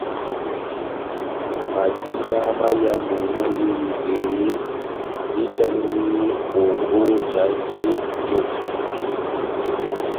Madiba máyamu mandini bwehé, mahitani ombó jahate nʼnjo.